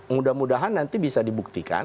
mudah mudahan nanti bisa dibuktikan